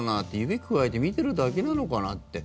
指くわえて見てるだけなのかなって。